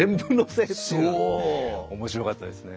面白かったですね。